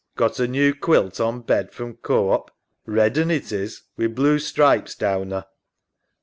Got a new quilt on bed from Co op. Red un it is wi' blue stripes down 'er.